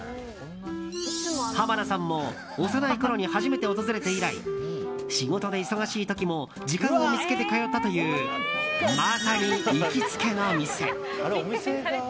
濱田さんも幼いころに初めて訪れて以来仕事で忙しい時も時間を見つけて通ったというまさに行きつけの店。